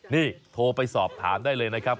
นี่โทรไปสอบถามได้เลยนะครับ